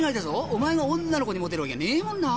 お前が女の子にもてるわけねえもんな。